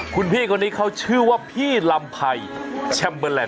คุณพี่คนนี้เขาชื่อว่าพี่ลำไพรแชมเบอร์แลน